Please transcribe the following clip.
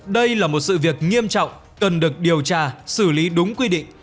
đây là một sự việc nghiêm trọng cần được điều tra xử lý đúng quy định